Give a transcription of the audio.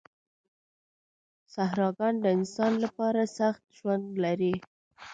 صحراګان د انسان لپاره سخت ژوند لري.